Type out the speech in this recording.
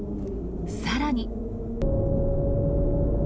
さらに。